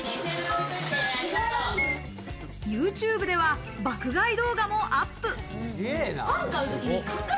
ＹｏｕＴｕｂｅでは爆買い動画もアップ。